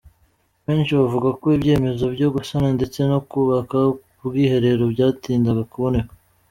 Benshi bavuga ko ibyemezo byo gusana ndetse no kubaka ubwiherero, byatindaga kuboneka.